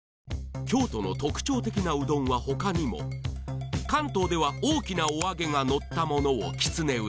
京都の特徴的なうどんはほかにも関東では大きなお揚げがのったものをきつね